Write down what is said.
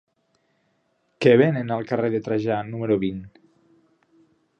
Què venen al carrer de Trajà número vint?